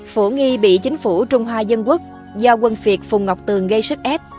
phổ nghi bị chính phủ trung hoa dân quốc do quân việt phùng ngọc tường gây sức ép